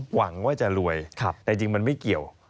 หวังว่าจะรวยแต่จริงมันไม่เกี่ยว